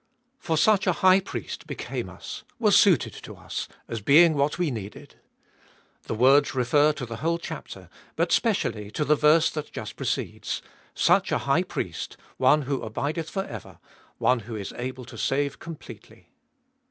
For such a High Priest became us — was suited to us, as being what we needed. The words refer to the whole chapter, but specially to the verse that just precedes — such a High Priest, one who abideth for ever, one who is able to save completely.